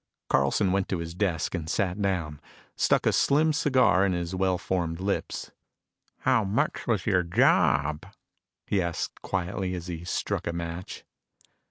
Carlson went to his desk, sat down, stuck a slim cigar in his well formed lips. "How much was your job?" he asked quietly as he struck a match.